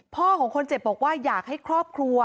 ของคนเจ็บบอกว่าอยากให้ครอบครัว